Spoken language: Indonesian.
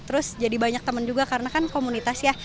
terus jadi banyak teman juga karena kan komunitas ya